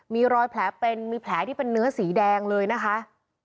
มีรอยแผลเป็นมีแผลที่เป็นเนื้อสีแดงเลยนะคะ